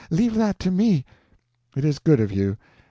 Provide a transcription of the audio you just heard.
Leave that to me." "It is good of you.